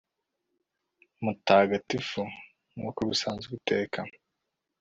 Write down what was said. mutagatifu, nk'uko bisanzwe iteka